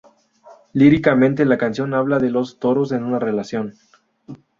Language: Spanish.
Líricamente, la canción habla de los toros en una relación.